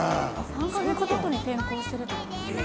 ３か月ごとに転校してるって事ですか？